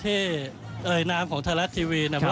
เอ่ยน้ำของไทยรัฐทีวีนะครับ